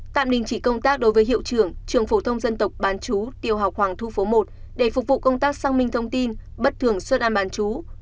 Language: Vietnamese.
tạm đình chỉ công tác đối với hiệu trưởng trường phổ thông dân tộc bán chú tiểu học hoàng thu phố một để phục vụ công tác xăng minh thông tin bất thường xuất an bán chú